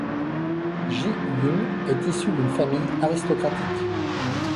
Ji Yun est issu d'une famille aristocratique.